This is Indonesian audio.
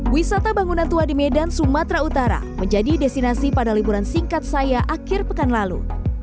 wisata bangunan tua di medan sumatera utara menjadi destinasi pada liburan singkat saya akhir pekan lalu